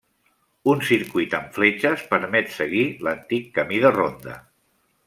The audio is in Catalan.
Un circuit amb fletxes permet seguir l'antic camí de ronda.